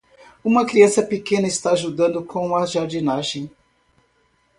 Uma criança pequena está ajudando com a jardinagem.